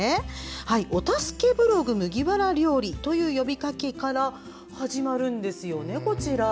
お助けブログ「麦わら料理」という呼びかけから始まります。